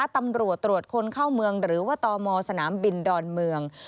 ตำรวจตรวจคนเข้าเมืองหรือว่าตมสนามบินดอนเมือง